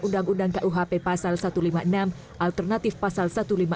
undang undang kuhp pasal satu ratus lima puluh enam alternatif pasal satu ratus lima puluh